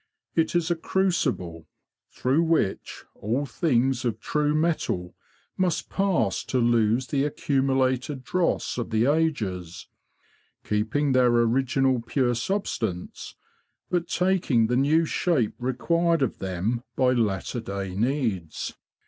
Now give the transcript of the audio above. It is a crucible through which all things of true metal must pass to lose the accumulated dross of the ages, keeping their original pure substance, but taking the new shape required of them by latter day needs.